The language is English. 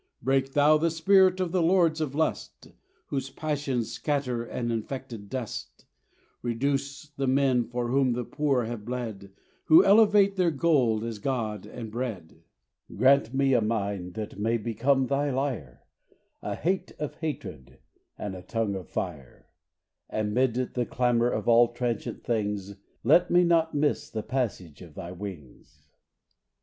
Break Thou the spirit of the lords of lust, Whose passions scatter an infected dust; Reduce the men for whom the poor have bled, Who elevate their gold as God and Bread. Grant me a mind that may become thy lyre, A hate of hatred and a tongue of fire; And mid the clamour of all transient things Let me not miss the passage of thy wings.